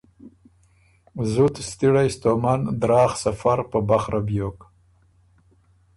زُت ستِړئ ستومن دراغ سفر په بخره بیوک۔